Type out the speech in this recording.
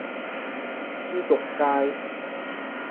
書局街